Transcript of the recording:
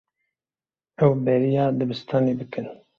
Ew ê bêriya dibistanê bikin.